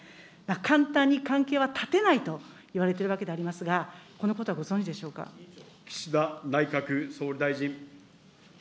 簡単に関係は断てないといわれているわけでありますが、このこと岸田内閣総理大臣。